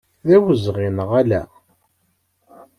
D awezɣi, neɣ ala?